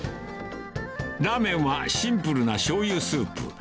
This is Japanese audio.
ラーメンはシンプルなしょうゆスープ。